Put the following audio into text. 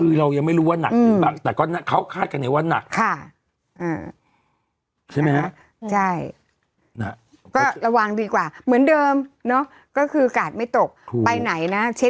คือเรายังไม่รู้ว่านักแต่ก็เขาคาดกันไงว่านัก